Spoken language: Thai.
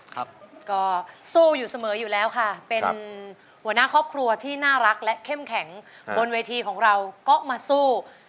ครับก็สู้อยู่เสมออยู่แล้วค่ะเป็นหัวหน้าครอบครัวที่น่ารักและเข้มแข็งบนเวทีของเราก็มาสู้